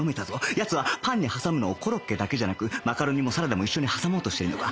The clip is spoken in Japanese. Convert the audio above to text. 奴はパンに挟むのをコロッケだけじゃなくマカロニもサラダも一緒に挟もうとしてるのか